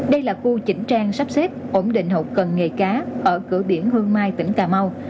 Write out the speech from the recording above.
đây là khu chỉnh trang sắp xếp ổn định hậu cần nghề cá ở cửa biển hương mai tỉnh cà mau